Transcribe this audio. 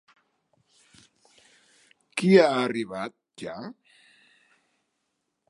Qui ha arribat ja?